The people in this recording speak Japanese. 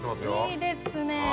いいですね。